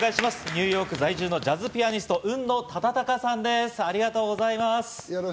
ニューヨーク在住のジャズピアニスト・海野雅威さんです。